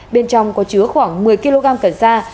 bên trong có chứa khoảng một mươi kg cần sa